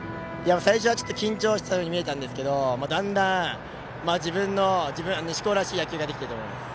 最初は緊張していたように見えたんですけどだんだん、西高らしい野球ができたと思います。